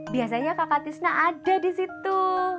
biasanya kakak tisna ada di situ